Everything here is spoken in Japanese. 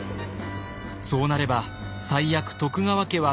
そうなれば最悪徳川家は分裂。